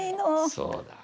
そうだ。